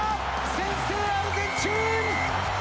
先制、アルゼンチン！